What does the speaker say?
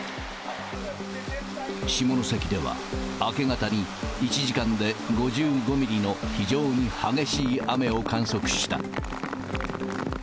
下関では、明け方に１時間で５５ミリの非常に激しい雨を観測した。